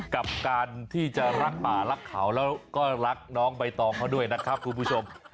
กับการที่จะรักป่ารักเขาแล้วก็รักน้องใบตองเขาด้วยนะครับคุณผู้ชม